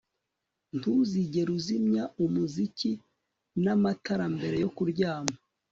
ntuzigera uzimya umuziki n'amatara mbere yo kuryama